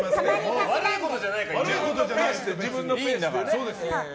悪いことじゃないから今は。